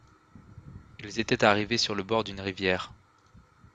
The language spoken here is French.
Ils étaient arrivés sur le bord d’une rivière.